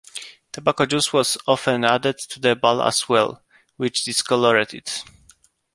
Tobacco juice was often added to the ball as well, which discolored it.